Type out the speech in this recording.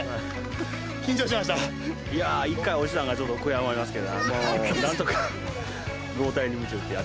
いやあ１回落ちたんがちょっと悔やまれますけどもうなんとか。